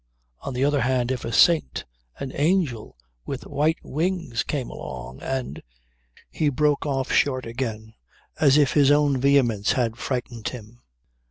On the other hand, if a saint, an angel with white wings came along and " He broke off short again as if his own vehemence had frightened him.